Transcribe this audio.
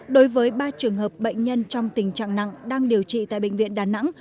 đối với ba trường hợp bệnh nhân trong tình trạng nặng đang điều trị tại bệnh viện đà nẵng